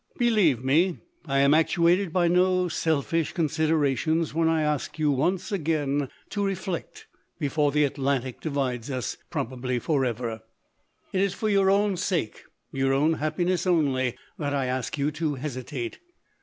" Believe me I am actuated by no selfish considerations, when I ask you once again to re 180 LO DO in flect before the Atlantic divides us — probably for ever. It is for your own sake, your own happiness only, that I ask you to hesitate.